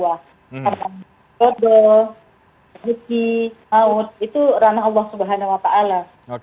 karena bodoh yuki maut itu rana allah subhanahu wa ta'ala